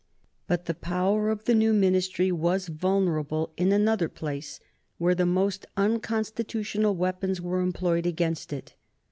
But the power of the new Ministry was vulnerable in another place where the most unconstitutional weapons were employed against it.